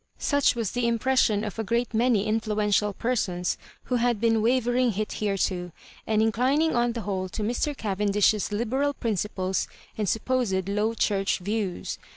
Such was the impression of a great many influential persons who had been wavering hitherto, and inclining on the whole to Wr, Cavendish's liberal principles and supposed Low Church views.